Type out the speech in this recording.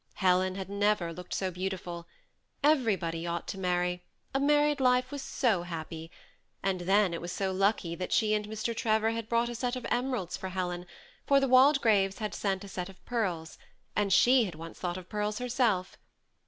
Helen had never looked so beautifuL Everybody ought to marry, — a married life was so happy ; and then it was so lucky that she and Mr. Trevor had brought a set of emeralds for Helen, for the Waldegraves had sent a set of pearls, and she had once thought of pearls herself.